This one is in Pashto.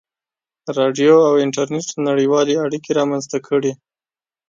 • راډیو او انټرنېټ نړیوالې اړیکې رامنځته کړې.